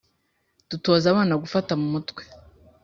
dutoza abana gufata mumutwe